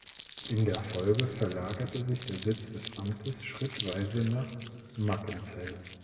In der Folge verlagerte sich der Sitz des Amtes schrittweise nach Mackenzell.